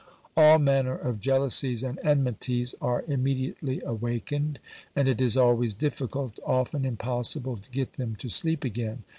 All manner of jealousies and enmities are immediately awakened, and it is always difficult, often impossible, to get them to sleep again.